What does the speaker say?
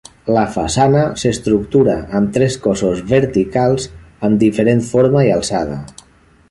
La façana s'estructura amb tres cossos verticals amb diferent forma i alçada.